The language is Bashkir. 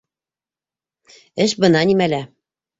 Эш бына нимәлә.